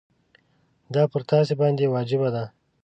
دا پر تاسي باندي واجبه ده.